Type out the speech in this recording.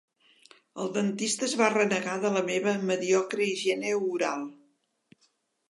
El dentista es va renegar de la meva mediocre higiene oral.